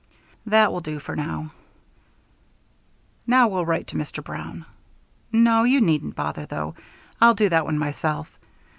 That will do for them. Now, we'll write to Mr. Brown no, you needn't bother, though; I'll do that one myself.